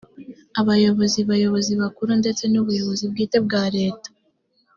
abayobozi bayobozi bakuru ndetse n’ubuyobozi bwite bwa leta